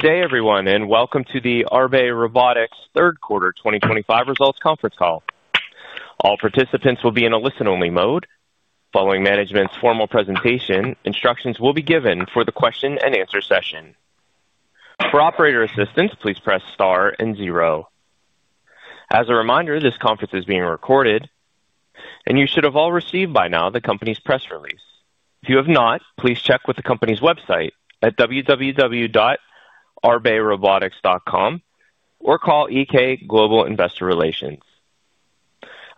Good day, everyone, and welcome to the Arbe Robotics Third Quarter 2025 Results Conference Call. All participants will be in a listen-only mode. Following management's formal presentation, instructions will be given for the question-and-answer session. For operator assistance, please press star and zero. As a reminder, this conference is being recorded, and you should have all received by now the company's press release. If you have not, please check with the company's website at www.arberobotics.com or call EK Global Investor Relations.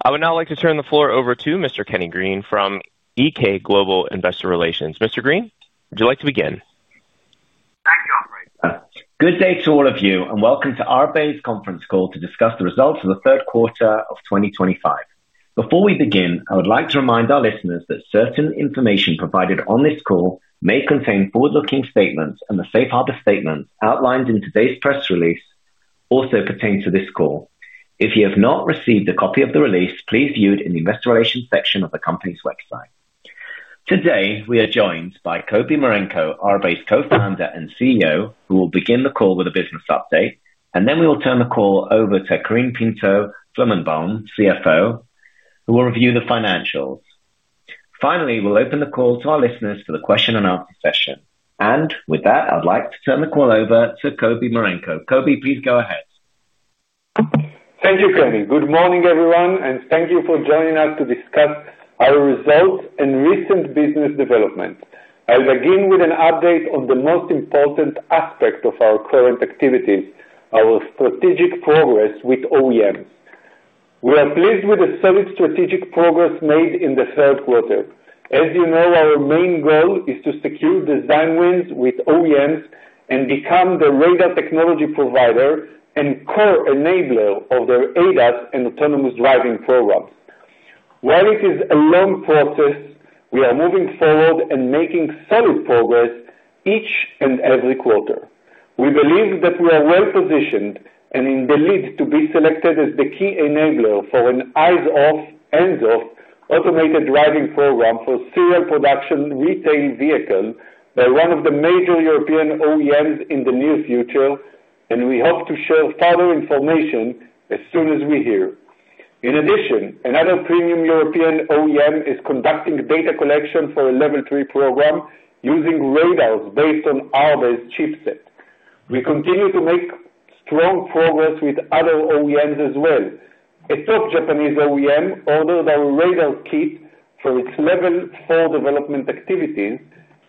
I would now like to turn the floor over to Mr. Kenny Green from EK Global Investor Relations. Mr. Green, would you like to begin? Thank you, operator. Good day to all of you, and welcome to Arbe's conference call to discuss the results of the third quarter of 2025. Before we begin, I would like to remind our listeners that certain information provided on this call may contain forward-looking statements, and the safe harbor statements outlined in today's press release also pertain to this call. If you have not received a copy of the release, please view it in the investor relations section of the company's website. Today, we are joined by Kobi Marenko, Arbe's Co-Founder and CEO, who will begin the call with a business update, and then we will turn the call over to Karine Pinto-Flomenboim, CFO, who will review the financials. Finally, we'll open the call to our listeners for the question-and-answer session. With that, I'd like to turn the call over to Kobi Marenko. Kobi, please go ahead. Thank you, Kenny. Good morning, everyone, and thank you for joining us to discuss our results and recent business developments. I'll begin with an update on the most important aspect of our current activities, our strategic progress with OEMs. We are pleased with the solid strategic progress made in the third quarter. As you know, our main goal is to secure design wins with OEMs and become the radar technology provider and core enabler of their ADAS and autonomous driving programs. While it is a long process, we are moving forward and making solid progress each and every quarter. We believe that we are well positioned and in the lead to be selected as the key enabler for an eyes-off, hands-off automated driving program for serial production retail vehicles by one of the major European OEMs in the near future, and we hope to share further information as soon as we hear. In addition, another premium European OEM is conducting data collection for a Level 3 program using radars based on Arbe's chipset. We continue to make strong progress with other OEMs as well. A top Japanese OEM ordered our radar kit for its Level 4 development activities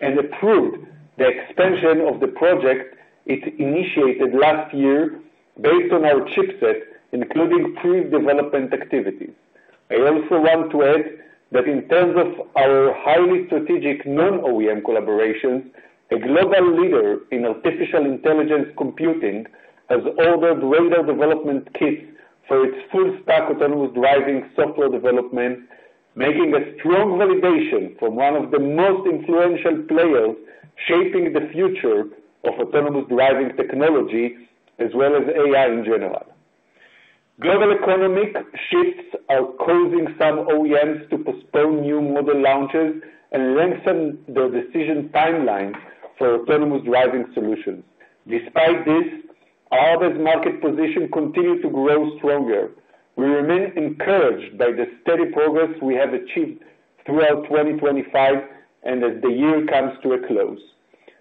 and approved the expansion of the project it initiated last year based on our chipset, including pre-development activities. I also want to add that in terms of our highly strategic non-OEM collaborations, a global leader in artificial intelligence computing has ordered radar development kits for its full-stack autonomous driving software development, making a strong validation from one of the most influential players shaping the future of autonomous driving technology, as well as AI in general. Global economic shifts are causing some OEMs to postpone new model launches and lengthen their decision timelines for autonomous driving solutions. Despite this, Arbe's market position continues to grow stronger. We remain encouraged by the steady progress we have achieved throughout 2025 and as the year comes to a close.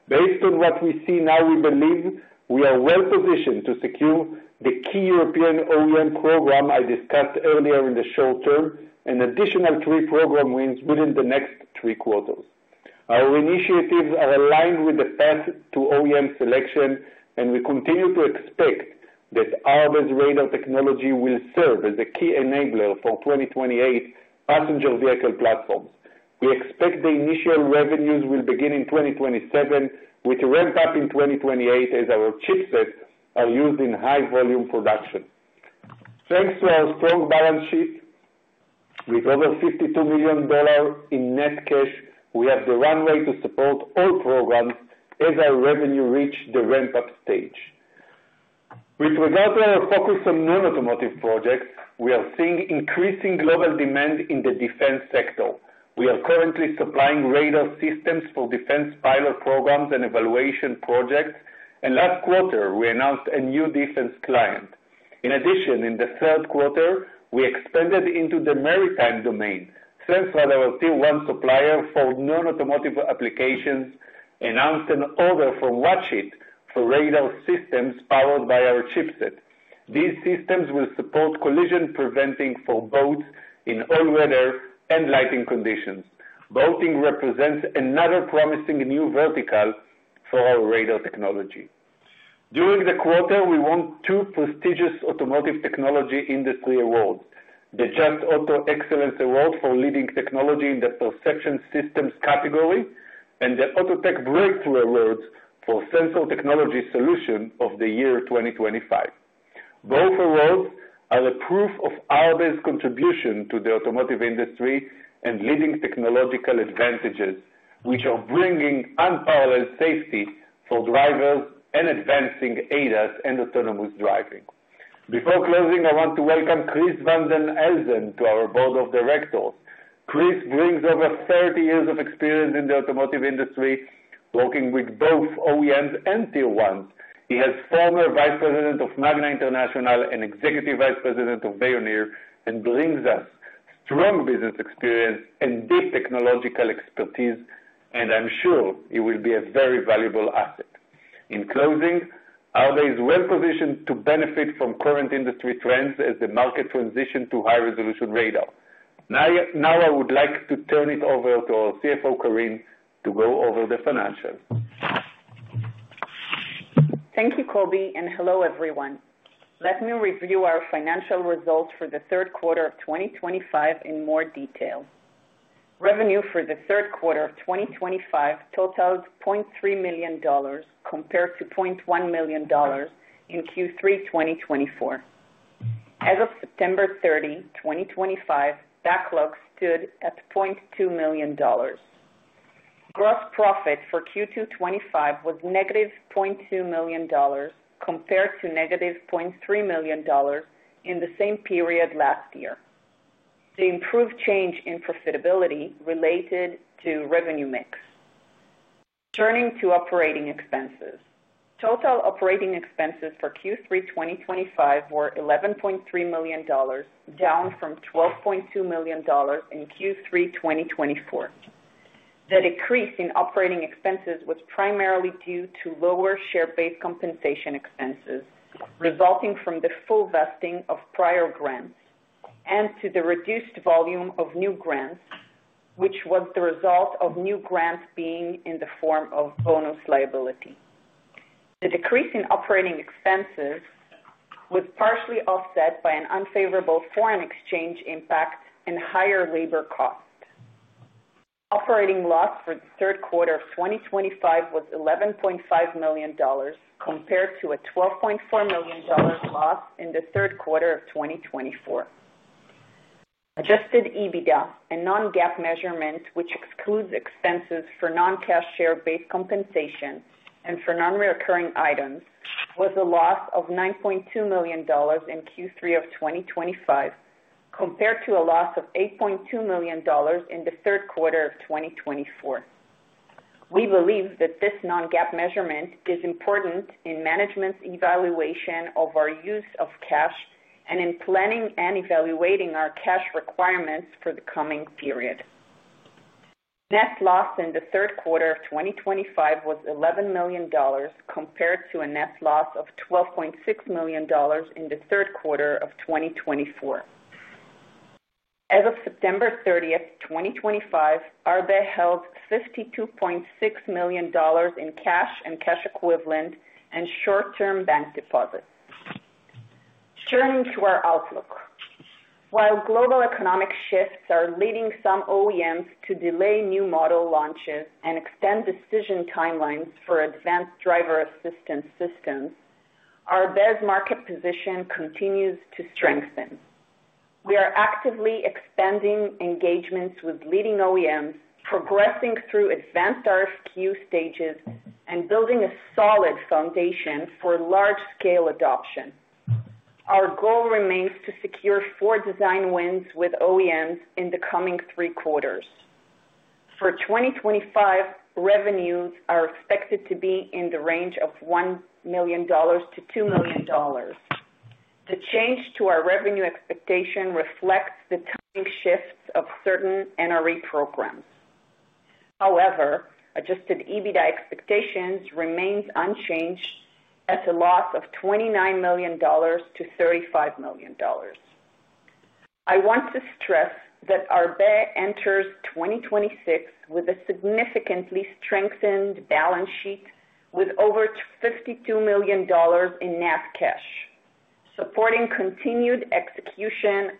Based on what we see now, we believe we are well positioned to secure the key European OEM program I discussed earlier in the short term and additional three program wins within the next three quarters. Our initiatives are aligned with the path to OEM selection, and we continue to expect that Arbe's radar technology will serve as a key enabler for 2028 passenger vehicle platforms. We expect the initial revenues will begin in 2027, with a ramp-up in 2028 as our chipsets are used in high-volume production. Thanks to our strong balance sheet with over $52 million in net cash, we have the runway to support all programs as our revenue reaches the ramp-up stage. With regard to our focus on non-automotive projects, we are seeing increasing global demand in the defense sector. We are currently supplying radar systems for defense pilot programs and evaluation projects, and last quarter, we announced a new defense client. In addition, in the third quarter, we expanded into the maritime domain. Sensrad was still one supplier for non-automotive applications, announced an order from WATCHIT for radar systems powered by our chipset. These systems will support collision preventing for boats in all weather and lighting conditions. Boating represents another promising new vertical for our radar technology. During the quarter, we won two prestigious automotive technology industry awards. The Just Auto Excellence Award for leading technology in the perception systems category and the AutoTech Breakthrough Awards for Sensor Technology Solution Of The Year 2025. Both awards are a proof of Arbe's contribution to the automotive industry and leading technological advantages, which are bringing unparalleled safety for drivers and advancing ADAS and autonomous driving. Before closing, I want to welcome Chris Van Dan Elzen to our Board of Directors. Chris brings over 30 years of experience in the automotive industry, working with both OEMs and Tier 1s. He was former Vice President of Magna International and Executive Vice President of Veoneer, and brings us strong business experience and deep technological expertise, and I'm sure he will be a very valuable asset. In closing, Arbe is well positioned to benefit from current industry trends as the market transitions to high-resolution radar. Now, I would like to turn it over to our CFO, Karine, to go over the financials. Thank you, Kobi, and hello, everyone. Let me review our financial results for the third quarter of 2025 in more detail. Revenue for the third quarter of 2025 totaled $0.3 million compared to $0.1 million in Q3 2024. As of September 30, 2025, backlog stood at $0.2 million. Gross profit for Q2 2025 was -$0.2 million compared to -$0.3 million in the same period last year. The improved change in profitability related to revenue mix. Turning to operating expenses. Total operating expenses for Q3 2025 were $11.3 million, down from $12.2 million in Q3 2024. The decrease in operating expenses was primarily due to lower share-based compensation expenses resulting from the full vesting of prior grants and to the reduced volume of new grants, which was the result of new grants being in the form of bonus liability. The decrease in operating expenses was partially offset by an unfavorable foreign exchange impact and higher labor cost. Operating loss for the third quarter of 2025 was $11.5 million compared to a $12.4 million loss in the third quarter of 2024. Adjusted EBITDA, a non-GAAP measurement which excludes expenses for non-cash share-based compensation and for non-recurring items, was a loss of $9.2 million in Q3 of 2025 compared to a loss of $8.2 million in the third quarter of 2024. We believe that this non-GAAP measurement is important in management's evaluation of our use of cash and in planning and evaluating our cash requirements for the coming period. Net loss in the third quarter of 2025 was $11 million compared to a net loss of $12.6 million in the third quarter of 2024. As of September 30th, 2025, Arbe held $52.6 million in cash and cash equivalent and short-term bank deposits. Turning to our outlook. While global economic shifts are leading some OEMs to delay new model launches and extend decision timelines for advanced driver assistance systems, Arbe's market position continues to strengthen. We are actively expanding engagements with leading OEMs, progressing through advanced RFQ stages, and building a solid foundation for large-scale adoption. Our goal remains to secure four design wins with OEMs in the coming three quarters. For 2025, revenues are expected to be in the range of $1 million-$2 million. The change to our revenue expectation reflects the timing shifts of certain NRE programs. However, Adjusted EBITDA expectations remain unchanged at a loss of $29 million-$35 million. I want to stress that Arbe enters 2026 with a significantly strengthened balance sheet with over $52 million in net cash, supporting continued execution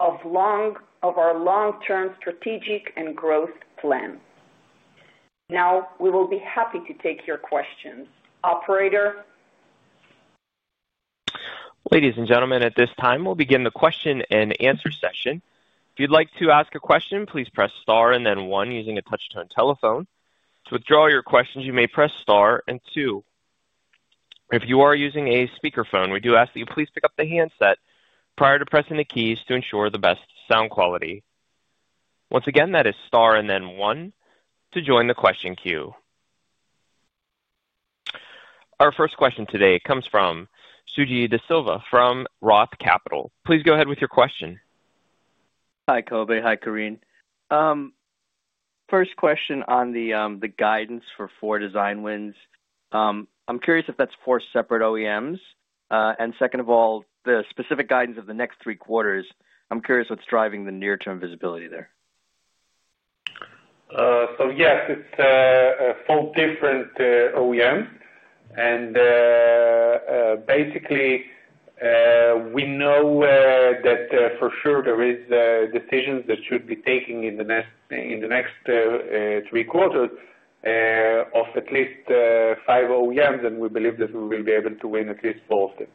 of our long-term strategic and growth plan. Now, we will be happy to take your questions. Operator? Ladies and gentlemen, at this time, we'll begin the question-and-answer session. If you'd like to ask a question, please press star and then one using a touch-tone telephone. To withdraw your questions, you may press star and two. If you are using a speakerphone, we do ask that you please pick up the handset prior to pressing the keys to ensure the best sound quality. Once again, that is star and then one to join the question queue. Our first question today comes from Suji Desilva from ROTH Capital. Please go ahead with your question. Hi, Kobi. Hi, Karine. First question on the guidance for four design wins. I'm curious if that's four separate OEMs? Second of all, the specific guidance of the next three quarters, I'm curious what's driving the near-term visibility there? Yes, it's four different OEMs. Basically, we know that for sure there are decisions that should be taken in the next three quarters of at least five OEMs, and we believe that we will be able to win at least four of them.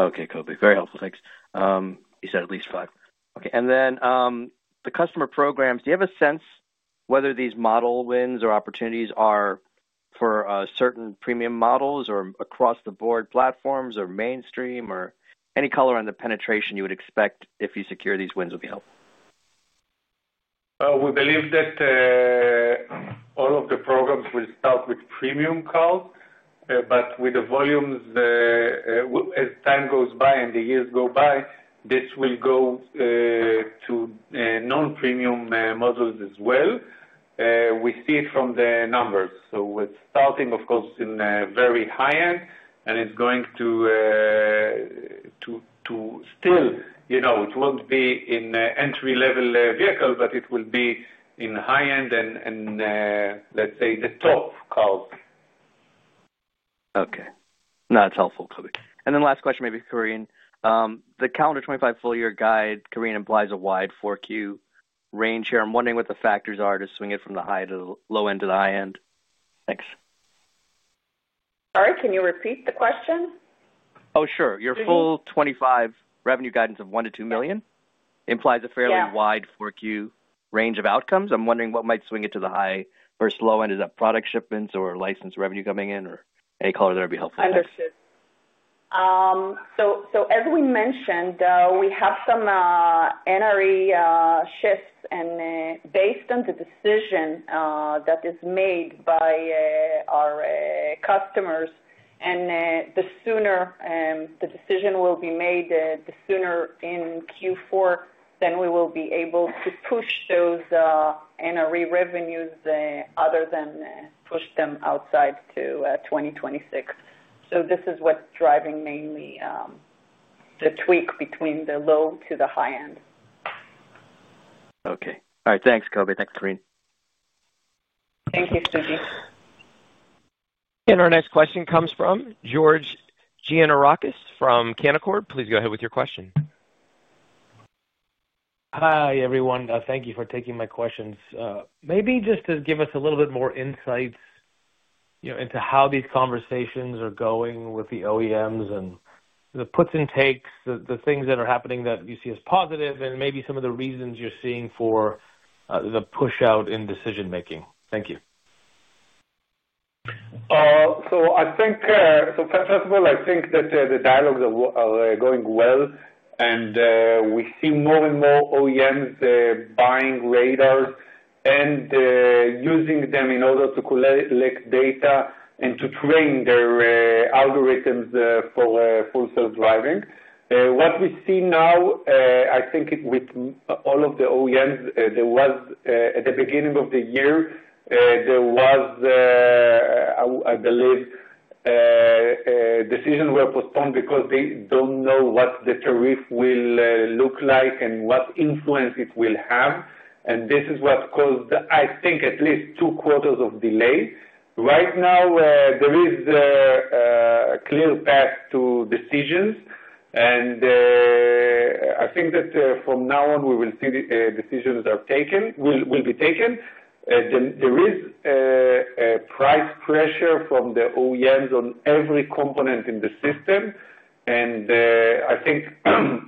Okay, Kobi. Very helpful. Thanks. You said at least five. Okay. The customer programs, do you have a sense whether these model wins or opportunities are for certain premium models or across the board platforms or mainstream or any color on the penetration you would expect if you secure these wins would be helpful? We believe that all of the programs will start with premium cars, but with the volumes, as time goes by and the years go by, this will go to non-premium models as well. We see it from the numbers. We are starting, of course, in very high end, and it is going to still, it will not be in entry-level vehicles, but it will be in high end and, let's say, the top cars. Okay. No, that's helpful, Kobi. Then last question, maybe, Karine. The calendar 2025 full-year guide, Karine, implies a wide Q4 range here. I'm wondering what the factors are to swing it from the low end to the high end? Thanks. Sorry? Can you repeat the question? Oh, sure. Your full 2025 revenue guidance of $1 million-$2 million implies a fairly wide Q4 range of outcomes. I'm wondering what might swing it to the high versus low end. Is that product shipments or license revenue coming in or any color there would be helpful? Understood. As we mentioned, we have some NRE shifts, and based on the decision that is made by our customers, the sooner the decision will be made, the sooner in Q4, we will be able to push those NRE revenues rather than push them outside to 2026. This is what is driving mainly the tweak between the low to the high end. Okay. All right. Thanks, Kobi. Thanks, Karine. Thank you, Suji. Our next question comes from George Gianarikas from Canaccord. Please go ahead with your question. Hi, everyone. Thank you for taking my questions. Maybe just to give us a little bit more insights into how these conversations are going with the OEMs and the puts and takes, the things that are happening that you see as positive, and maybe some of the reasons you're seeing for the push-out in decision-making? Thank you. First of all, I think that the dialogues are going well, and we see more and more OEMs buying radars and using them in order to collect data and to train their algorithms for full self-driving. What we see now, I think with all of the OEMs, at the beginning of the year, there was, I believe, decisions were postponed because they do not know what the tariff will look like and what influence it will have. This is what caused, I think, at least two quarters of delay. Right now, there is a clear path to decisions, and I think that from now on, we will see decisions will be taken. There is price pressure from the OEMs on every component in the system, and I think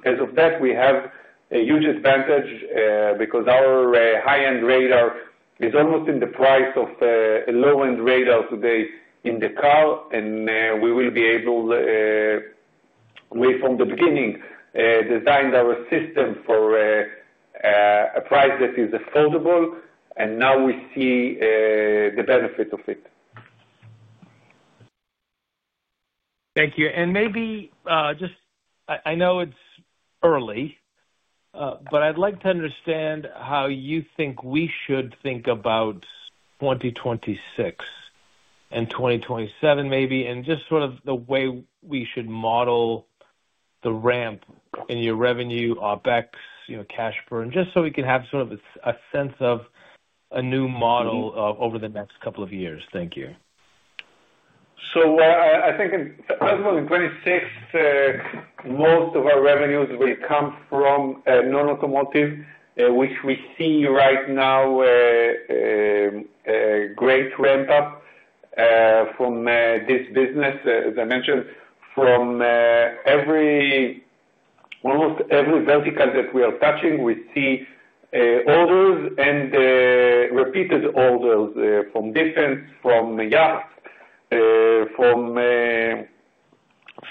as of that, we have a huge advantage because our high-end radar is almost in the price of a low-end radar today in the car, and we will be able, way from the beginning, design our system for a price that is affordable, and now we see the benefit of it. Thank you. Maybe just, I know it's early, but I'd like to understand how you think we should think about 2026 and 2027, maybe, and just sort of the way we should model the ramp in your revenue, OpEx, cash burn, just so we can have sort of a sense of a new model over the next couple of years. Thank you. I think, first of all, in 2026, most of our revenues will come from non-automotive, which we see right now a great ramp-up from this business, as I mentioned, from almost every vertical that we are touching, we see orders and repeated orders from different, from yachts, from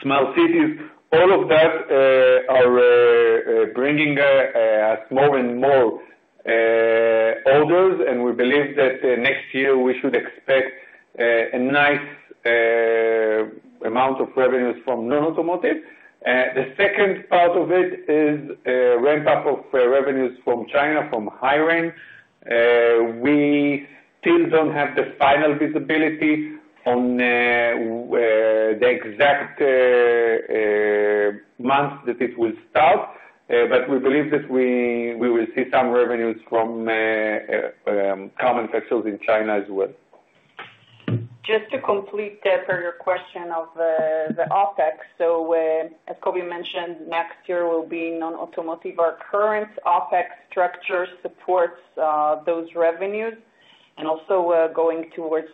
small cities. All of that are bringing us more and more orders, and we believe that next year, we should expect a nice amount of revenues from non-automotive. The second part of it is a ramp-up of revenues from China, from HiRain. We still do not have the final visibility on the exact month that it will start, but we believe that we will see some revenues from common vessels in China as well. Just to complete per your question of the OpEx, as Kobi mentioned, next year will be non-automotive. Our current OpEx structure supports those revenues and also going towards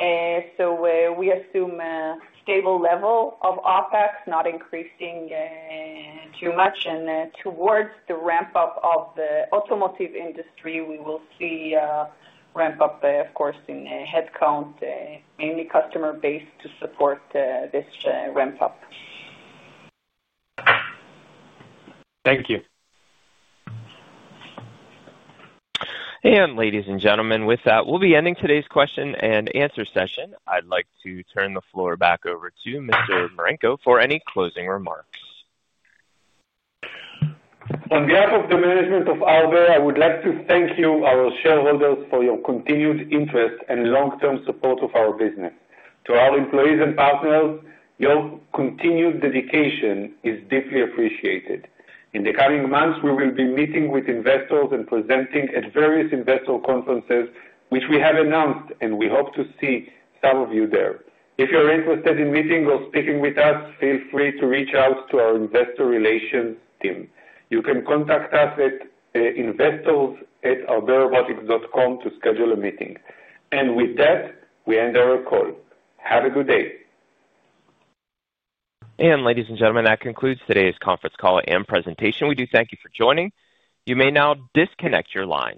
2027. We assume a stable level of OpEx, not increasing too much. Towards the ramp-up of the automotive industry, we will see a ramp-up, of course, in headcount, mainly customer base to support this ramp-up. Thank you. Ladies and gentlemen, with that, we'll be ending today's question-and-answer session. I'd like to turn the floor back over to Mr. Marenko for any closing remarks. On behalf of the management of Arbe, I would like to thank you, our shareholders, for your continued interest and long-term support of our business. To our employees and partners, your continued dedication is deeply appreciated. In the coming months, we will be meeting with investors and presenting at various investor conferences, which we have announced, and we hope to see some of you there. If you're interested in meeting or speaking with us, feel free to reach out to our investor relations team. You can contact us at investors@arberobotics.com to schedule a meeting. With that, we end our call. Have a good day. Ladies and gentlemen, that concludes today's conference call and presentation. We do thank you for joining. You may now disconnect your lines.